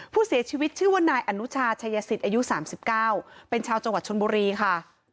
ผู้เสียชีวิตชื่อว่านายอนุชาชัยสิทธิ์อายุ๓๙เป็นชาวจังหวัดชนบุรีค่ะ